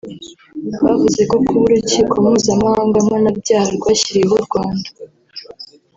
bavuze ko kuba Urukiko mpuzamahanga mpanabyaha rwashyiriweho u Rwanda